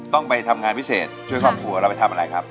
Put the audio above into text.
ต้องไปทำงานพิเศษช่วยครอบครัวเราไปทำอะไรครับ